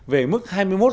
về mức hai mươi một bảy